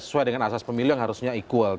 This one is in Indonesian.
sesuai dengan asas pemilu yang harusnya equal